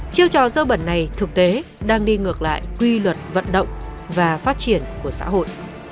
chiêu trò dơ bẩn này thực tế đang đi ngược lại quy luật vận động và phát triển của xã hội